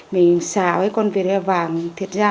mình xào con vịt vàng thịt ra